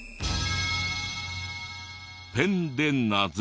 ペンでなぞると。